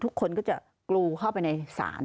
ทุกคนก็จะกรูเข้าไปในศาล